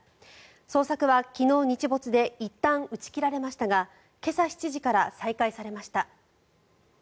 捜索は昨日、日没でいったん打ち切られましたが今朝７時から再開されました。